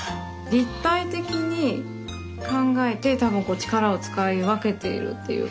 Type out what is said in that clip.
立体的に考えて多分力を使い分けているっていう。